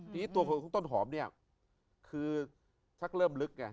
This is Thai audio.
ทีนี้ตัวของคุณต้นหอมเนี่ยคือชักเริ่มลึกไง